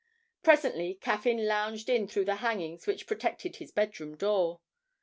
Presently Caffyn lounged in through the hangings which protected his bedroom door.